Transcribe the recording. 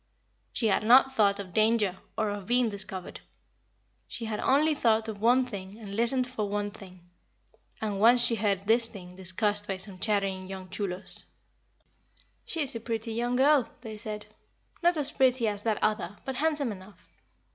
She had not thought of danger or of being discovered. She had only thought of one thing and listened for one thing and once she had heard this thing discussed by some chattering young chulos. [Illustration: She is a pretty young girl 151] "She is a pretty young girl," they said. "Not as pretty as that other, but handsome enough.